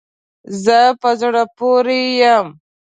زه په زړه پوری یم